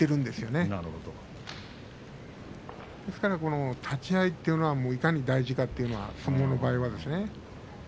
ですから立ち合いというのがいかに大事か相撲の場合はですね。